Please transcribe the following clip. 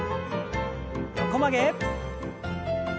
横曲げ。